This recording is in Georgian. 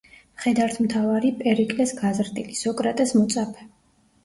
მხედართმთავარი, პერიკლეს გაზრდილი, სოკრატეს მოწაფე.